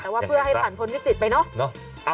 แต่ว่าเพื่อให้ผ่านพ้นวิกฤตไปเนอะ